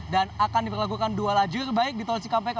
dan akan diperlakukan dua lajur baik di tol cikampek